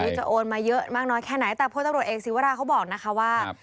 ไม่รู้จะโอนมาเยอะมากน้อยแค่ไหนแต่โพธิบริษัทเองซิวาราเขาบอกนะคะว่า